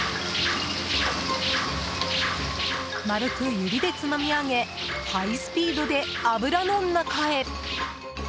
丸く指でつまみ上げハイスピードで油の中へ。